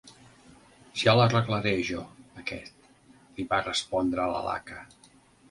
Ja l'arreglaré, jo, aquest! —li va respondre la Laka.